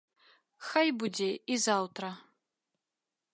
Хай будзе і заўтра.